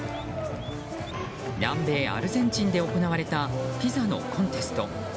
南米アルゼンチンで行われたピザのコンテスト。